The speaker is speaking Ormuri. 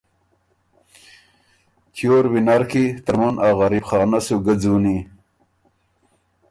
چیور وینر کی، ترمُن ا غریب خانۀ سو ګه ځُوني“